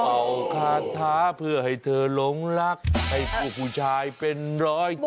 คาถาเพื่อให้เธอหลงรักให้ผู้ผู้ชายเป็นร้อย